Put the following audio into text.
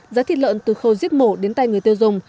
giá thịt lợn từ khâu giết mổ đến tay người tiêu dùng